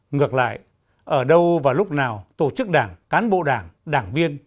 ngược lại ở đâu và lúc nào tổ chức đảng cán bộ đảng đảng viên